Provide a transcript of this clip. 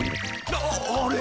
あっあれ？